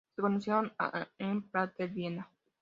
Se conocieron en Prater, Viena.